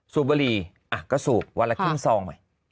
สูบบรีก็สูบวันละครึ่งซอง